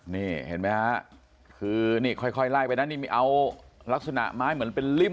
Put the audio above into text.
นี่เห็นไหมฮะคือนี่ค่อยไล่ไปนะนี่มีเอาลักษณะไม้เหมือนเป็นริ่ม